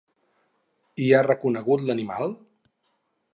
I ha reconegut l'animal?